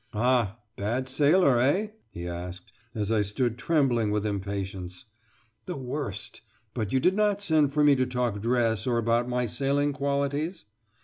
"Ah, bad sailor, eh?" he asked, as I stood trembling with impatience. "The worst! But you did not send for me to talk dress or about my sailing qualities?"